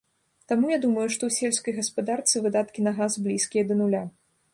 Таму, я думаю, што ў сельскай гаспадарцы выдаткі на газ блізкія да нуля.